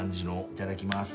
いただきます。